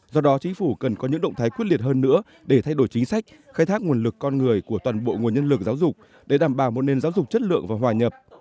do đó chính phủ cần có những động thái quyết liệt hơn nữa để thay đổi chính sách khai thác nguồn lực con người của toàn bộ nguồn nhân lực giáo dục để đảm bảo một nền giáo dục chất lượng và hòa nhập